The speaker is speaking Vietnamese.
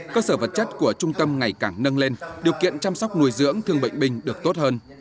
cơ sở vật chất của trung tâm ngày càng nâng lên điều kiện chăm sóc nuôi dưỡng thương bệnh binh được tốt hơn